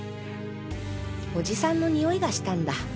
おじさんのにおいがしたんだ。